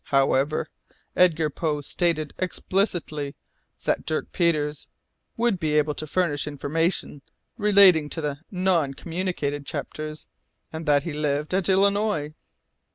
However, Edgar Poe stated explicitly that Dirk Peters would be able to furnish information relating to the non communicated chapters, and that he lived at Illinois.